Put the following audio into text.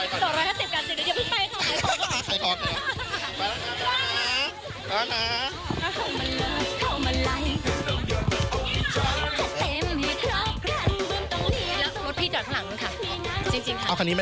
พี่แบบว่าถ้าพี่เอาวันนี้ไป